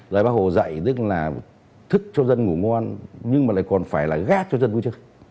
là bác hồ dạy tức là thức cho dân ngủ ngon nhưng mà lại còn phải là gác cho dân vui chứ